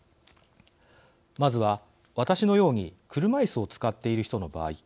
まずは私のように車いすを使っている人の場合。